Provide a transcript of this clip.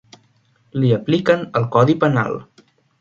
Li apliquen el codi penal.